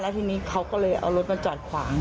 ทีนี้เขาก็เลยเอารถมาจอดขวาง